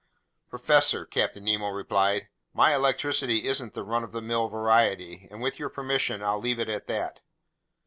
"Professor," Captain Nemo replied, "my electricity isn't the run of the mill variety, and with your permission, I'll leave it at that."